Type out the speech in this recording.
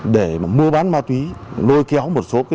để mua bán ma túy lôi kéo một số đối tượng nguyễn